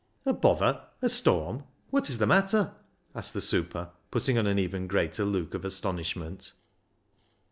A bother ? A storm ? What is the matter ?" asked the super, putting on an even greater look of astonishment.